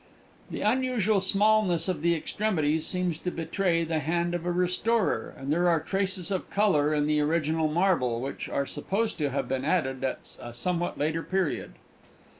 "The unusual smallness of the extremities seems to betray the hand of a restorer, and there are traces of colour in the original marble, which are supposed to have been added at a somewhat later period."